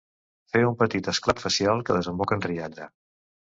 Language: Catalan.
Fer un petit esclat facial que desemboca en rialla.